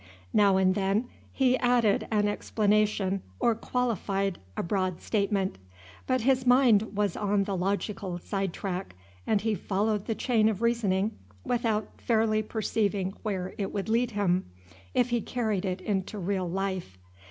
Now and then he added an explanation or qualified abroad statement. But his mind was on the logical side track, and he followed the chain of reasoning without fairly perceiving where it would lead him, if he carried it into real life.